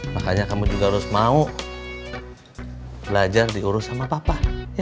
makanya kamu juga harus mau belajar diurus sama papa